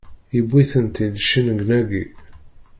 Yewwi-ten-id cennegnagi!